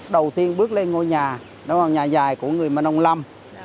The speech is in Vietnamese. đây là một nhà dài của người mơ nông lam